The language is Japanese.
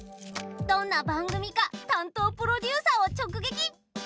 どんな番組か担当プロデューサーを直撃。